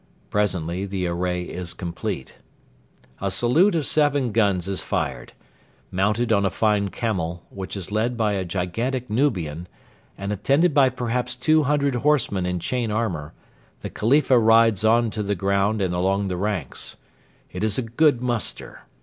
Presently the array is complete. A salute of seven guns is fired. Mounted on a fine camel, which is led by a gigantic Nubian, and attended by perhaps two hundred horsemen in chain armour, the Khalifa rides on to the ground and along the ranks. It is a good muster.